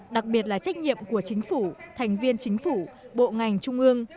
đặc biệt là trách nhiệm của chính phủ thành viên chính phủ bộ ngành trung ương